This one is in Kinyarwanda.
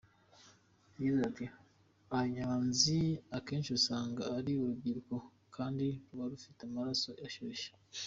Yagize ati″Abanyonzi akenshi usanga ari urubyiruko kandi ruba rufite amaraso ashyushye.